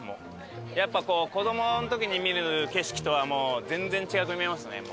やっぱ子どもの時に見る景色とは全然違く見えますね。